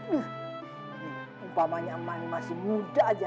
nih umpamanya masih muda aja